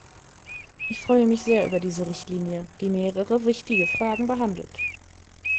Ich freue mich sehr über diese Richtlinie, die mehrere wichtige Fragen behandelt.